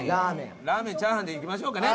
ラーメンチャーハンでいきましょうかね。